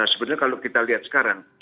sebenarnya kalau kita lihat sekarang